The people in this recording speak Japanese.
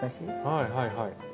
はいはいはい。